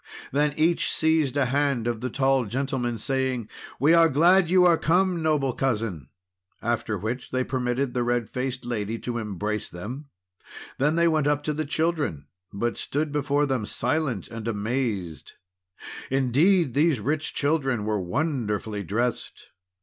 Then each seized a hand of the tall gentleman, saying: "We are glad you are come, noble Cousin!" After which they permitted the red faced lady to embrace them; then they went up to the children, but stood before them silent and amazed. Indeed, these rich children were wonderfully dressed!